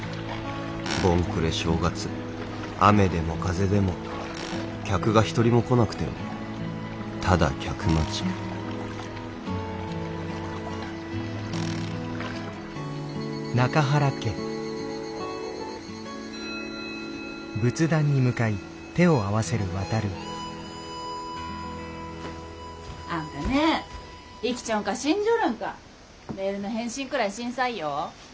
盆暮れ正月雨でも風でも客が一人も来なくてもただ客待ちあんたねえ生きちょんか死んじょるんかメールの返信くらいしんさいよ。